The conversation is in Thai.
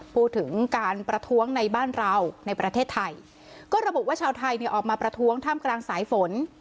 พูดถึงการประท้วงในบ้านเราในประเทศไทยก็ระบุว่าชาวไทยเนี่ยออกมาประท้วงท่ามกลางสายฝน